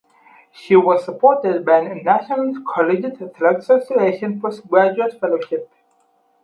She was supported by an National Collegiate Athletic Association postgraduate fellowship.